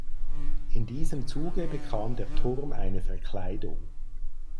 In diesem Zuge bekam der Turm eine Verkleidung.